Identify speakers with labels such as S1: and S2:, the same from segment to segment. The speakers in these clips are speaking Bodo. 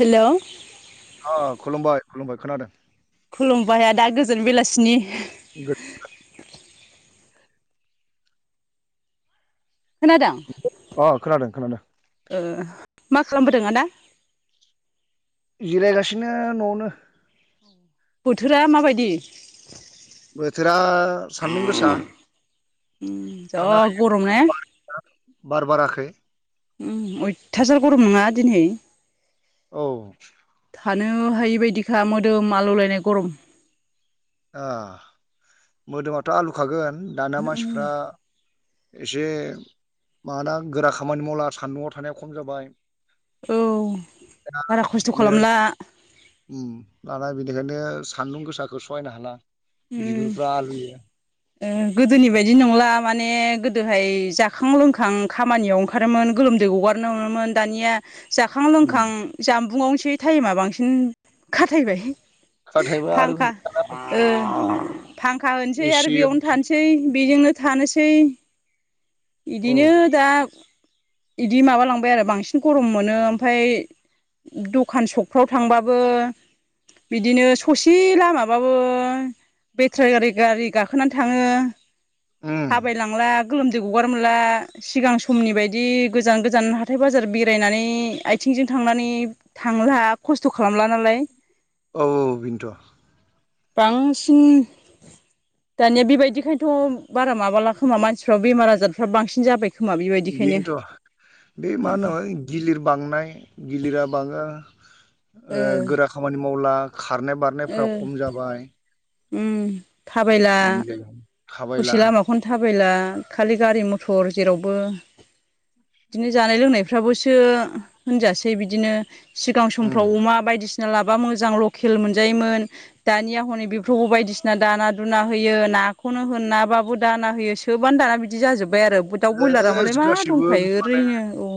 S1: हेलौ
S2: खुलुमबाय खुलुमबाय खोनादों
S1: खुलुमबाय आदा गोजोन बेलासिनि
S2: गो [unintelligible]
S1: खोनादों
S2: अ खोनादों खोनादों।
S1: मा खालामबोदों आदा
S2: जिरायगासिनो न'आवनो
S1: बोथोरा माबायदि
S2: बिराद सान्दुं गोसा
S1: उम जा
S2: थानो
S1: गरम
S2: हायै
S1: ने
S2: बार गैआ बार बाराखै
S1: अयथासार गरम नङा दिनै
S2: औ
S1: थानो हायि बायदिखा मोदोम आलौलायनाय गरम
S2: मोदोमाथ' आलुखागोन दानिया
S1: उम
S2: मानसिफ्रा एसे माबाना गोरा खामानि मावला सान्दुंआव थानाया खम जाबाय
S1: औ बारा खस्थ' खालामला
S2: दाना बेनिखायनो सान्दुं गोसाखौ सहायनो हाला बिगुरफ्रा आलुयो
S1: गोदोनि बायदि नंला माने गोदोहाय जाखां लोंखां खामानियाव ओंखारोमोन गोलोमदै हगारनो हमोमोन दानिया जाखां
S2: उम
S1: लोंखां जामबुंआवनोसै टाइमा बांसिन खाथायबाय
S2: नाथायबा आरो
S1: फांखा ओ फांखा होनोसै आरो
S2: एसि अ
S1: बेयावनो थानोसै बेजोंनो थानोसै बिदिनो दा बिदि माबालांबाय आरो बांसिन गरम मोनो ओमफाय दखान सखफ्राव थांबाबो बिदिनो ससे लामाबाबो बेटारि गारि गारि गाखोनानै थाङो
S2: उम
S1: थाबायलांला गोलोमदै गगार मोनला सिगां समनि बायदि गोजान गोजान हाथाय बाजार बेरायनानै आथिं जों थांनानै थांला खस्थ' खालामला नालाय
S2: औ औ बिन्थ'
S1: बांसिन दानिया बेबायदिखायनोथ' बारा माबाला खोमा मानसिफ्रा बेमार आजारफ्रा बांसिन जाबाय खोमा बेबायदिखायनो
S2: बेनोथ' बे मा होनो गिलिर बांनाय गिलिरा बाङो
S1: ओ
S2: गोरा खामानि मावला खारनाय
S1: ओ
S2: बारनायफ्रा खम जाबाय।
S1: उम थाबायला
S2: बिदिनो थाबायला
S1: ससे लामाखौनो थाबायला खालि गारि मथर जेरावबो बिदिनो जानाय लोंनायफ्राबोसो होनजासै बिदिनो सिगां
S2: उम
S1: समफ्राव अमा बायदिसिना लाबा मोजां लकेल मोनजायोमोन दानिया हनै बे थ बायदिसिना दाना दुना होयो नाखौनो होनाबाबो दाना होयो सोबानो दाना बिदि जाजोबबाय बाय आरो दाउ ब्रयलारा
S2: सेस
S1: मालाय मा
S2: गासिबो
S1: दंखायो ओरैनो औ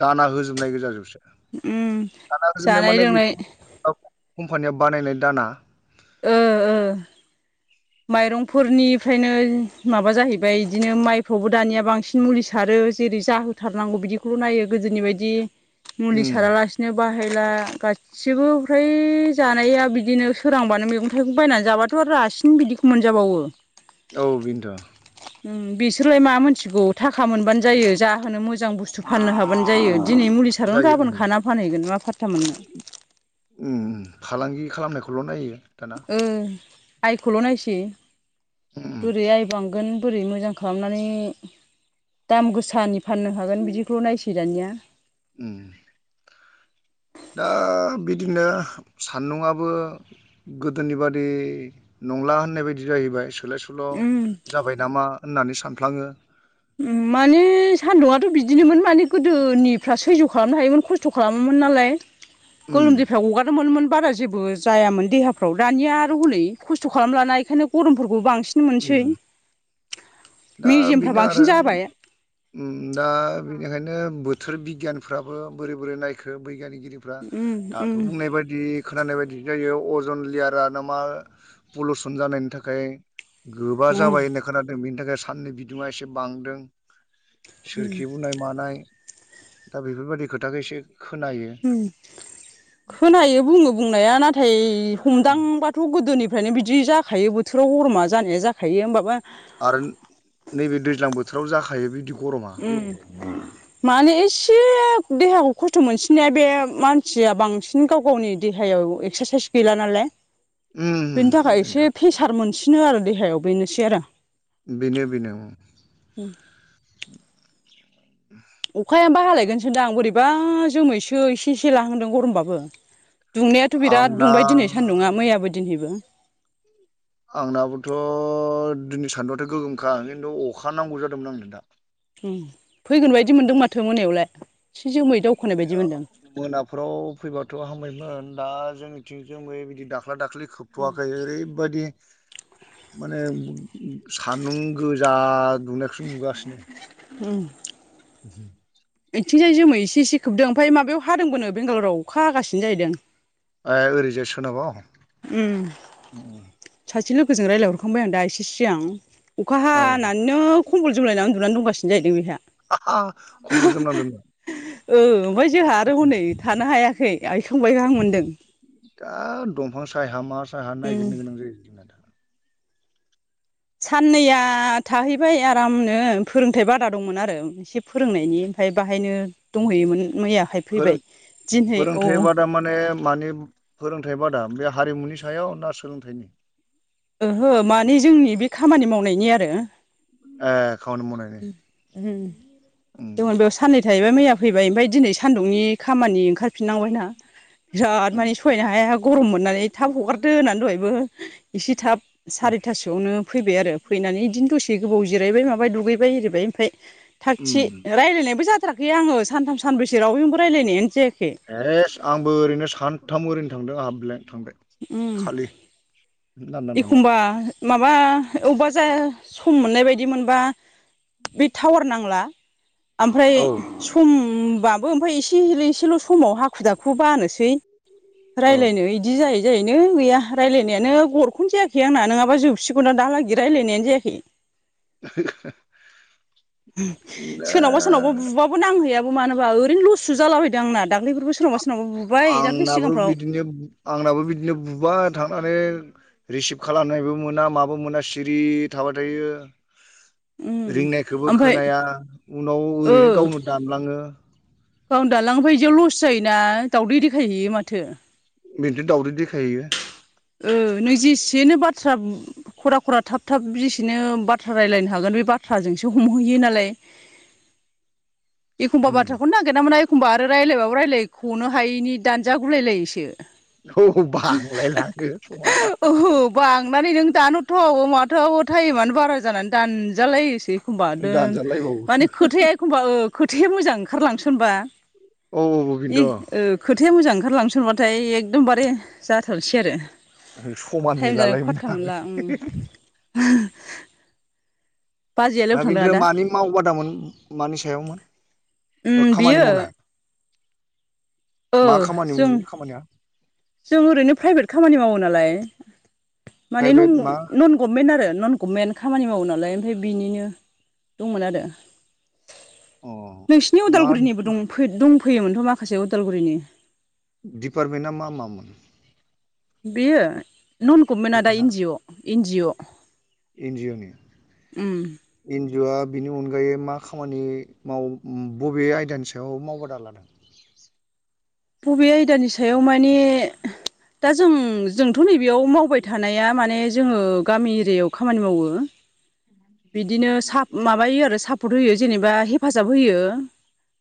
S2: दाना होजोबनाय गोजा जोबसो
S1: उम
S2: दाना होजोबनाय
S1: जानाय
S2: माने बे
S1: लोंनाय
S2: कम्पानिया बानायनाय दाना।
S1: ओ ओ। माइरंफोरनिफ्रायनो माबा जाहैबाय बिदिनो माइफ्रावबो दानिया बांसिन मुलि सारो। जेरै जथारनांगौ बिदिखौल' नाय गोदनि बायदि मुलि
S2: उम
S1: साराला। बाला गासिबो फ्राय जानाया बिदिनो सोरांबानो मैगं थाइगं बायनानै जाबाथ' आरो रासिनो। बिदिखौ मोनजाबावो।
S2: औ बिन्थ'।
S1: बिसोरलाय मा मिथिगौ थाखा मोनबानो जायो जाहोनो मोजां बुस्थु फाननो हाबानो जायो। दिनै मुलि सारनो
S2: जायो
S1: गाबोन
S2: उम
S1: खाना फानहैगोन मा फाथ्ता मोननो।
S2: उम उम फालांगि खालामनायखौल' नायो। दाना
S1: आइखौल' नायसै
S2: उम उम
S1: बोरै आइ बांगोन। बोरै मोजां खालामनानै दाम गोसानि फाननो हागोन बिदिखौ नायसै दानिया
S2: उम। दा बिदिनो सान्दुं आबो गोदोनि बादि नंला होननाय बायदि जाहैबाय सोलाय सुोल'
S1: उम
S2: जाबाय नामा होननानै सानफ्लाङो
S1: थ' बिदिनोमोन माने गोदोनिफ्रा सैज्य खालामनो हायोमोन खस्थ' खालामोमोन नालाय
S2: उम
S1: गोलोमदैफायाव हगारोममोनमोन बारायो जेबो जायामोन देहाफ्राव दानिया आरो हनै खस्थ' खालाम ला बेखायनो गरमफोरखौ बांसिन। मोनसै
S2: उम
S1: मेजेमफ्रा। बांसिन जाबाय
S2: ओम दा। बिनिखायनो बोथोर बिगियानफ्राबो बोरै बोरै नायखो बैग्यानिक।
S1: उम उम
S2: दाथ' बुंनाय बायदि खोनानाय बायदि जायो। अजन लेयार ना मा पलुसन जानायनि थाखाय। गोबा
S1: उम
S2: जाबाय होननाय खोनादों बेनि थाखाय साननि बिदङा एसे बांदों। सोरखि बुंनाय मानाय दा बेफोरबायदि खोथाखौ एसे। खोनायो
S1: खोनायो बुङो बुंनाया नाथाय हमदांबाथ' गोदोनि। ओमफ्रायनो बिदि जाखायो बोथोराव गरमा जानाया जाखायो होनोमबाबा।
S2: आरो नैबे दैज्लां बोथोराव जाखायो बिदिअ।
S1: उम। माने एसे देहाखौ खस्थ' मोनसिननाया बे मानसिया बांसिन गाव गावनि देहाया। एस्रासाइस गैला नालाय बेनि थाखाय
S2: उम
S1: एसे प्रसार। बिसिनो आरो देहायाव बेनोसै आरो।
S2: बेनो बेनो औ।
S1: अखायबा हालायगोनसोदां बोरैबा जोमैसो एसे एसे लाहांदों गरमबाबो। दुंनायाथ' बिराद दुंबाय दिनै
S2: आंना
S1: सान्दुंङा मैयाबो दिनैबो
S2: आंनाबोथ' दिनै सान्दुआथ' गोगोमखा खिन्थु अखा नांगौ जादोंमोन आंनो दा
S1: फैगोन बायदि मोनदों माथो मोनायावलाय एसे जोमै दावखोनाय बायदि मोनदों
S2: मोनाफ्राव फैबाथ' हामबायमोन दा जोंनिथिं जोमैनि दाख्ला -दाख्लि खोबथ'वाखै ओरैबायदि माने सान्दुं गोजा दुंनायखौसो नुगासिनो
S1: आथिंजाय जोमै इसे एसे खोबदों ओमफ्राय माबायाव हादोंबोनो बेंगालराव अखा हागासिनो जाहैदों
S2: ओरैजाय सोनांगौ
S1: सासेल'जों रायलायहरखांबाय आं दा एसे सिगां अखा
S2: औ
S1: हानानैनो खम्बल जोमलायनानै उन्दुनानै दंगासिनो जाहैदों बेहा
S2: खम्बल जोमनांदों
S1: ओमफ्राय जोंहा आरो हनै थानो हायाखै आइखांबायायखां मोन्दों
S2: दा दंफांसाया मा साया
S1: उम
S2: नायगिरनो गोनां जायो जाङा
S1: साननैया थाहैबाय आरामनो फोरोंथाइ बादा दंमोन आरो एसे फोरोंनायनि ओमफ्राय बाहायनो दंहैयोमोन मैयाहाय
S2: फोरों
S1: फैबाय दिनहै औ
S2: फोरोंथाइ बादा माने फोरोंथाइ बादा बे हारिमुनि सायाव ना सोलोंथाइनि
S1: ओहो माने जोंनि बे खामानि मावनायनि आरो
S2: आ उम
S1: बेयाव साननै थाहैबाय मैया फैबाय ओमफ्राय दिनै सदुंनि खामानि ओंख ओंखारफिननांबायना बिराद मानि सहायनो हाया गरममोन नानै थाब हगारदो होननानै दहायबो एसे थाब सारिथासोआवनो फैबाय आरो फैनानै बिदिनो दसे गोबाव जिरायबाय माबाय दुगैबाय एरायिबाय ओमफ्राय थाखागथि
S2: उम
S1: रायजलायनायबो फथाराखै आङ सानथ सानब्रसो रावैनोबो रायलायनायानो जे
S2: एस आंबो ओरैनो सानथाम ओरैनो थांदों आंहा ब्लें थांबाय खालि लांदां थांबाय
S1: एखमबा माबा अबेबा जाया। सम मोननाय बायदि मोनबा बे टावार नांला ओमफ्राय
S2: औ
S1: सम होनोमबाबो ओमफ्राय एसे एलैसोल' समाव हाखु- दाखु बानोसै
S2: औ
S1: रायज्लायनो इदि जायो। गैया रायजलायनायानो गरखौनो जायाखै आंना नङाबा जोबसिगौना दालागै रायज्लायनायानो जायाखै
S2: [inaudible] दा
S1: सोरनावबा सोरनावबा बुबाबो नांहैयाबो मानो होनोबा ओरैनो लससो जालाबायैदों आंना दाख्लैफोरबो सोरनावबा सोरनावबा बुबाय दाख्लै
S2: आंनाबो
S1: सिगांफ्राव
S2: बिदिनो आंनाबो बिदिनो बुबा थाङ नानै रिसिभ खालामनायबो मोना माबो मोना सिरि थाबाय थायो
S1: उम
S2: रिंनायखौबो
S1: ओमफ्राय
S2: खोनाया उनाव
S1: ओ
S2: ओरैनो गावनो दामलाङो
S1: गावनो दालांफबा बिदियाव लस जायोना दावदै देखायहैयो माथो
S2: बेदि दावदै देखायहैयो
S1: ओ नैजिसो बाथ्रा खरा- खरा थाब- थाब जेसेनो बाथ्रा रायज्लायनो हागोन बे बाथ्राजोंसो हमहैयो। न एखमबा
S2: उम
S1: बाथ्राखौनो नागिरना मोना एखमबा आरो रायज्लायबाबो रायज्लायनख'नो हायैनि दानजागुलायलायोसो
S2: औ बांलायलाङो समा
S1: माने नों दानजाथावाबो माथावाबो एखमबा दोन
S2: दानजालायबावो
S1: माने खोथाया एखमबा खोथाया मोजां ओंखारलांसनबा
S2: औ औ बेनोथ'
S1: खोथाया मोजां ओंखारलांसन सनबाथाय एकदमबारे जाथारसै आरो
S2: समान
S1: टाइम जानायखौ
S2: नेलालायोमोन
S1: फाथ्था
S2: आरो
S1: मोनला बाजैयालाय
S2: दा
S1: अबाव थांदों
S2: बिनिफ्राय
S1: आदा?
S2: मानि मावबादामोन मानि सायावमोन
S1: उ
S2: खामानि
S1: बियो
S2: मावनाय मा खामानि मोन बे खामानिया
S1: जों ओरैनो प्राइभेट खामानि मावो नालाय। माने
S2: प्राइभेट मा
S1: नन गभमेन्ट आरो। नन गभमेन्ट खामानि मावो नालाय ओमफ्राय बिनिनो दंमोन आरो।
S2: अ
S1: नोंसिनि
S2: मा
S1: उदालगुरिनिबो दंफैयोमोनथ' माखासे उदालगुरिनि।
S2: दिपार्टमेन्टा मा मामोन?
S1: बेयो नन गभमेन्ट आदा N G O N G O
S2: N G O नि एन जि अ आ बेनि अनगायै मा खामानि माव उम बबे आयदानि सायाव मावबादा लादों
S1: बबे आयदानि सायाव माने दा जों जोंथ' नैबेयाव मावबाय थानाया माने जोङो गामि एरियायाव खामानि मावो बिदिनो सा माबायो आरो सापर्ट होयो जेनेबा हेफाजाब होयो।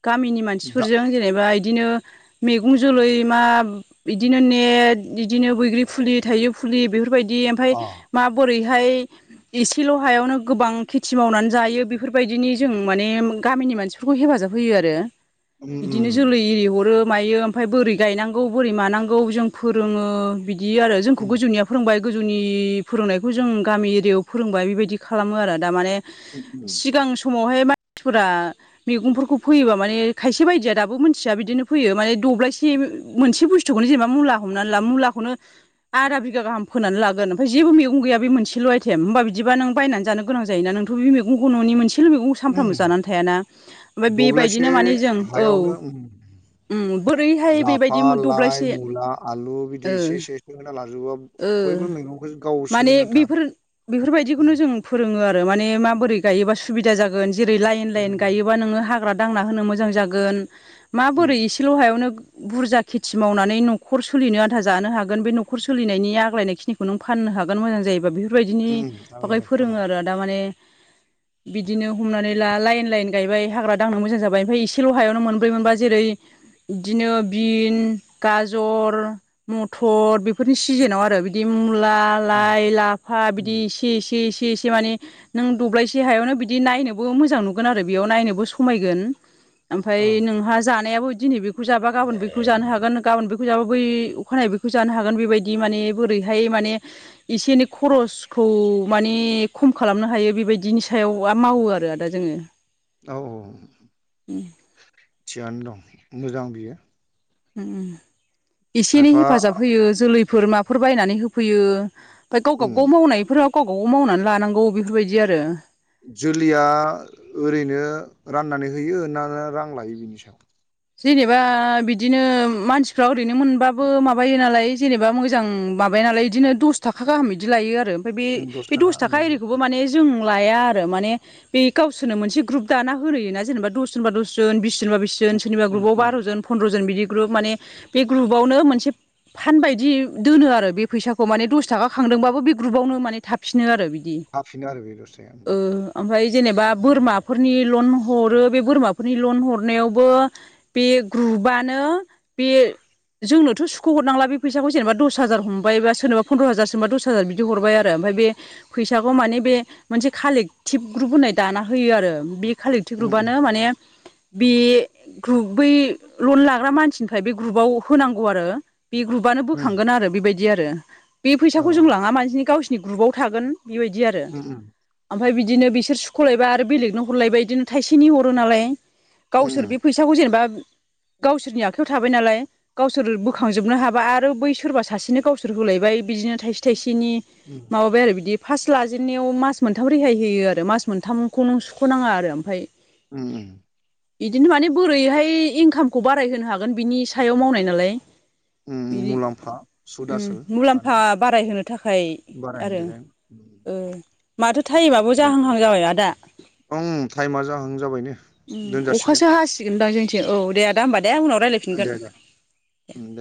S1: गामिनि
S2: दा
S1: मानसिफोरजों जेनेबा इदिनो मैगं जोलै मा बिदिनो नेट बिदिनो बैग्रि फुलि थाइजौ फुलि बेफोरबायदि बिदि ओमफ्राय
S2: अ
S1: मा बोरै हाय एसेल' हायावनो गोबां खेथि मावनानै जायो बेफोरबायदिनि जों माने गामिनि नि मानसिफोरखौ हेफाजाब होयो आरो
S2: उम
S1: बिदिनो
S2: उम
S1: जोलै एरि हरो। मायो ओमफ्राय बोरै गायनांगौ बोरै मानांगौ जों फोरोङो बिदि आरो जोंखौ
S2: उम
S1: गोजौनिया फोरोंबाय गोजौनि फोरोंनायखौ जों गामि एरियायाव फोरोंबाय बेबायदि खालामो आरो दा माने
S2: [unintelligible]
S1: [unintelligible] मानसिफोरा मैगंफोरखौ फैयोबा माने खायसे बायदिया दाबो मोनथिया बिदिनो फैयो माने दब्लायसे मोनसे बुस्थुखौनो जेनेबा मुला हमनानै ला मुलाखौनो आदा बिघा गाहाम फोनानै लागोन ओमफ्राय जेबो मैगं गैया बे मोनसेल' आइटेम होमबा बिदिबा नों बायनानै जानो गोनां जायोना नोंथ' बे मैगंखौ न'नि मोनसे मोनसेल' मैगं
S2: उम
S1: सानफ्रामबो जानानै थायाना ओमफ्राय
S2: दब्लायसे
S1: बेबायदिनो माने जों औ
S2: हायावनो उम
S1: उम बोरैहाय
S2: लाफा
S1: बेबायदि मु
S2: लाइ
S1: दब्लायसे
S2: मुला आलु
S1: ओ
S2: बिदि एसे एसे होना
S1: ओ ओ
S2: लाजोबोबा बयबो मैगंखौ गाव
S1: माने
S2: सोलिनो आन्था
S1: बेफोर बेफोर बायदिखौनो
S2: उम
S1: जों फोरोङो आरो। माने माबोरै गायोबा सुबिदा जागोन जेरै लाइन लाइन गायोबा नोङो हाग्रा दांना होनो मोजां जागोन
S2: उम
S1: माबोरै एसे ल' हायावनो बुरजा खेथि मावनानै न'खर सोलिनो आनथा जानो हागोन बे न'खर सोलिनायनि आग्लायनायखि खौ नों फाननो हागोन मोजां जायोबा बेफोरबायदिनि
S2: उम
S1: बागै
S2: आवगायनाय खना
S1: फोरोङो आरो दा माने बिदिनो हमनानै ला लाइन लाइन गायबाय हाग्रा दांनो मोजां जाबाय ओमफ्राय एसेल' हायावनो मोनब्रै मोनबा जेरै बिदिनो बिन गाजर मथर बेफोरनि सिजेनाव आरो बिदि मुला
S2: उम
S1: लाइ लाफा
S2: उम
S1: बिदि इसे इसे इसे एसे एसे माने नों दब्लायसे हायावनो बिदि नायनोबो मोजां नुगोन आरो बेयाव नायनोबो समायगोन ओमफ्राय
S2: औ
S1: नोंहा जानायाबो दिनै बे बेखौ जाबा गाबोन बेखौ जानो हागोन गाबोन बेखौ जाबा बै अखानायै बेखौ जानो हागोन बेबायदि माने बोरैहाय माने एसे एनै खरसखौ माने खम खालामनो हायो बेबायदिनि सायाव आ माव औ आरो आदा जोङो।
S2: औ औ।
S1: उम
S2: थिगानो दं मोजां बियो।
S1: उम एसे एनै
S2: खायफा
S1: हेफाजाब होयो जोलै फोर माफोर बायनानै होफैयो ओमफ्राय गाव
S2: उम
S1: गावबा गाव मावनायफोराव गाव गाव‌गाव मावनानै लानांगौ बेफोरबायदि आरो।
S2: जोलैया ओरैनो राननानै होयो ना रां लायो बिनि सायाव?
S1: जेनेबा बिदिनो मानसिफ्रा ओरैनो मोनबाबो माबायो नालाय जेनेबा मोजां मा माबाया नालाय बिदिनो दस थाखा गाहाम बिदि लायो आरो ओमफ्राय बे बे दस थाखा एरिखौबो माने जों लाया आरो माने बे गावसोरनो मोनसे ग्रुप दाना होयोना जेनेबा दस जोनबा दस जोन बिस जोनबा बिस
S2: उम
S1: सोरनिबा
S2: उम
S1: ग्रुपआव
S2: उम
S1: बार' जोन फन्द्र' जोन बिदि ग्रुप माने बे ग्रुपावनो मोनसे फान बायदि दोनो आरो बे फैसाखौ माने दस थाखा खांदोंबाबो बे ग्रुपावनो माने थाफिनो आरो बि बिदि
S2: हाफिनो आरो बे दस थाखाया
S1: ओ
S2: उम
S1: ओमफाय जेनेबा बोरमाफोरनि लन हरो बे बोरमाफोरनि लन हरनायावबो बे ग्रुपानो बे जोंनोथ' सुख' हरनांला बे फैसाखौ जेने बा दस हाजार हमबाय बा सोरनोबा फन्द्र हाजार सोरनोबा दस हाजार बिदि हरबाय आरो ओमफ्राय बे फैसाखौ माने बे मोनसे कालेक्टिभ ग्रुप होननाय दाना होयो आरो बे कालेक्टिभ
S2: उम
S1: ग्रुपानो माने बे ग्रुप बै लन लाग्रा मानसिनिफाय बे ग्रुपाव होनांगौ आरो बे ग्रुपानो
S2: उम
S1: बोखांगोन आरो बेबाय दि आरो बे
S2: औ
S1: फैसाखौ
S2: औ
S1: लाङा माजनि गावसिनि ग्रुपआव थागोन बेबायदि आरो
S2: उम उम
S1: ओम फाय बिदिनो बिसोर सुख'लायब आरो बेलेगनो हरलायबाय इदिनो थाइसेनि हरो नालाय [unintelligible]
S2: [unintelligible]
S1: जेनेबा गावसोरनि आखाइयाव थाबाय नालाय गावसोर बोखांजोबनो हाबा आरो बै सोरबा सासेनो गावसोर होलायबाय बिदिनो थायसे थाइसेनि
S2: उम
S1: माबाबाय आरो बिदि फास लाजेनन्नायाव मास मोनथाम रेहाय होयो आरो मास मोनथामखौ नों सुख'नाङा आरो ओमफाय
S2: उम
S1: इदिनो माने बोरैहाय इनकामखौ बाराय होनो हागोन बिनि सायाव मावनाय नालाय
S2: उम
S1: बिदि
S2: मुलाम्फा
S1: उम
S2: सुदआसोल
S1: मुलाम्फा बारायहोनो थाखाय
S2: बाराय [unintelligible]
S1: थाइमाबो जाहांहां जाबाय आदा
S2: ओं ठाइमा जाहां जाबायनो दोनजासिगोन
S1: बिनो दां जोंथि औ दे आदा होमबा दे उनाव रायलायफिनगोन दे
S2: उम दे